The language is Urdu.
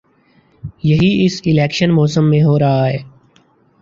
یہی اس الیکشن موسم میں ہو رہا ہے۔